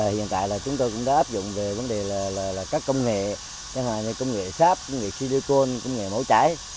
hiện tại chúng tôi đã áp dụng các công nghệ sáp silicon mẫu trái